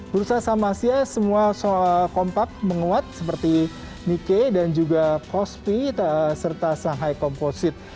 bursa saham asia semua kompak menguat seperti nike dan juga kospi serta shanghai komposit